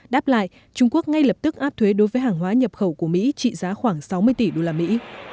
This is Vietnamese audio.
đáp lại trung quốc ngay lập tức áp thuế đối với hàng hóa nhập khẩu của mỹ trị giá khoảng sáu mươi tỷ đô la mỹ